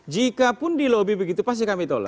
jikapun di lobi begitu pasti kami tolak